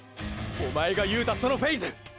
おまえが言うたそのフェイズ